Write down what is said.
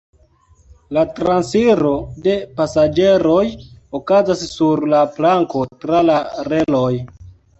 La transiro de pasaĝeroj okazas sur la planko tra la reloj.